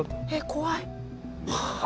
怖い。